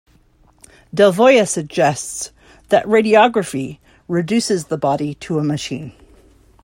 Delvoye suggests that radiography reduces the body to a machine.